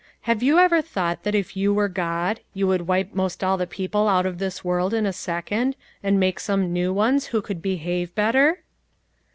Have you ever thought that if you were God, you would wipe most all the people out of this world in a second, and make some new ones who could be have better